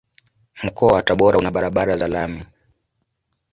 Mkoa wa Tabora una barabara za lami.